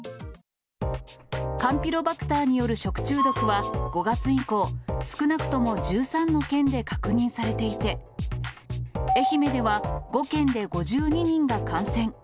カンピロバクターによる食中毒は５月以降、少なくとも１３の県で確認されていて、愛媛では５件で５２人が感染。